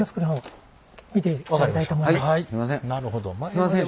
すんません。